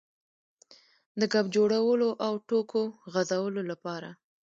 د ګپ جوړولو او ټوکو غځولو لپاره.